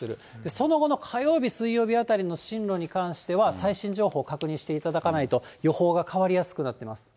その後の火曜日、水曜日あたりの進路に関しては、最新情報を確認していただかないと、予報が変わりやすくなってます。